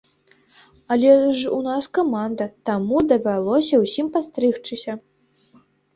Але ж у нас каманда, таму давялося ўсім пастрыгчыся.